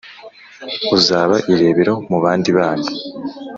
uzaba irebero mu bandi bana